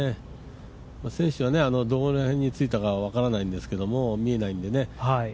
選手はどこら辺についたか分からないんですけど、見えないんでね。